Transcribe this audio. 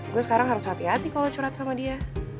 gue sekarang harus hati hati kalau curhat sama dia